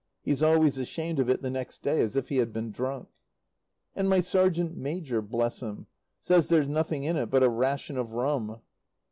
He's always ashamed of it the next day, as if he had been drunk. And my Sergeant Major, bless him, says there's nothing in it but "a ration of rum."